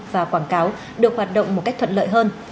và quảng cáo được hoạt động một cách thuận lợi hơn